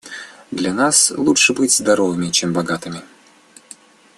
Для нас лучше быть здоровыми, чем богатыми».